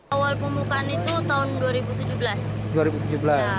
awal pembukaan itu tahun dua ribu tujuh belas